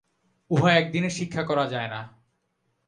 উহা একদিনে শিক্ষা করা যায় না।